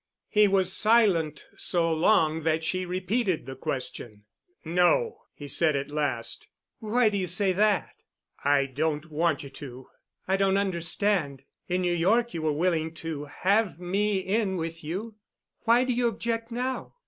He was silent so long that she repeated the question. "No," he said at last. "Why do you say that?" "I don't want you to." "I don't understand. In New York you were willing to have me in with you. Why do you object now?